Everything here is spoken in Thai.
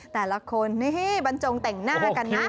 แต่ละคนนี่บรรจงแต่งหน้ากันนะ